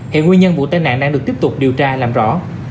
hiện nguyên nhân vụ tai nạn đang được tiếp tục điều tra làm rõ